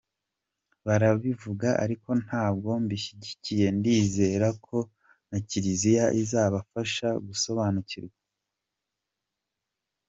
Barabivuga ariko ntabwo mbishyigikiye ndizera ko na Kiliziya izabafasha gusobanukirwa.